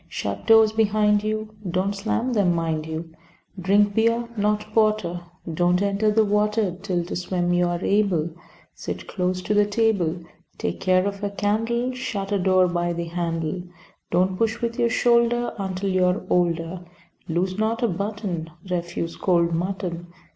Shut doors behind you, (Don't slam them, mind you.) Drink beer, not porter. Don't enter the water Till to swim you are able. Sit close to the table. Take care of a candle. Shut a door by the handle, Don't push with your shoulder Until you are older. Lose not a button. Refuse cold mutton.